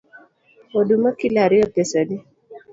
Oduma kilo ariyo pesa adi?